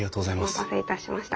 お待たせいたしました。